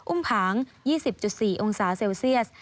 อุ้มผาง๒๐๔องศาเซลเซียส